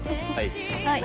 はい。